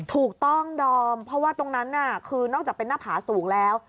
ถูกต้องดอมเพราะว่าตรงนั้นน่ะคือนอกจากเป็นหน้าผาสูงแล้ว